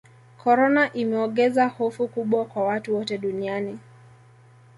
korona imeogeza hofu kubwa kwa watu wote duniani